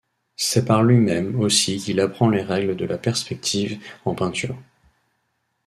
C'est par lui-même aussi qu'il apprend les règles de la perspective en peinture.